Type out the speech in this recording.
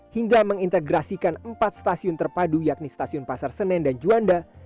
hingga mengintegrasikan empat stasiun terpadu yakni stasiun pasar senen dan juanda